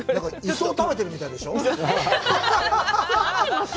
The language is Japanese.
磯を食べてるみたいでしょう？